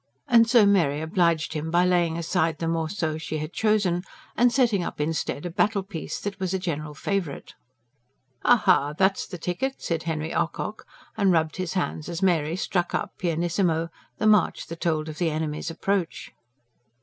And so Mary obliged him by laying aside the MORCEAU she had chosen, and setting up instead a "battle piece," that was a general favourite. "Aha! that's the ticket," said Henry Ocock, and rubbed his hands as Mary struck up, pianissimo, the march that told of the enemy's approach.